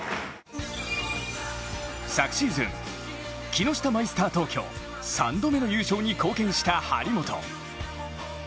昨シーズン、木下マイスター東京３度目の優勝に貢献した張本。